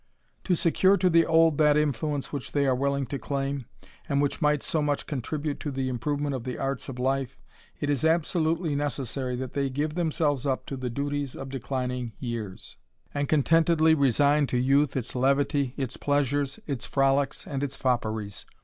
To secure to the old that influence which they are willing to claim, and which might so much contribute to the improvement of the arts of life, it is absolutely necessary that they give themselves up to the duties o^ THE RAMBLER. declining years ; and contentedly resign to youth its levity, its pleasures, its frolicks, and its fopperies.